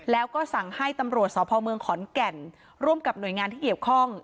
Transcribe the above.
แล้วก็สั่งให้ตำรวจสพเมืองขอนแก่นร่วมกับหน่วยงานที่เกี่ยวข้อง